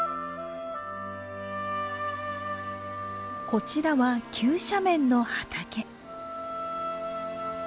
こちらは急斜面の畑。